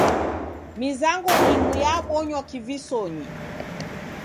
Mizango imu yabonywa kivisonyi.